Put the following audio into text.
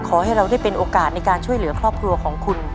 ขอให้เราได้เป็นโอกาสในการช่วยเหลือครอบครัวของคุณ